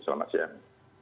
ya selamat siang